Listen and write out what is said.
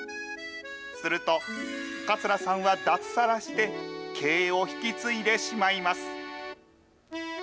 すると、桂さんは脱サラして、経営を引き継いでしまいます。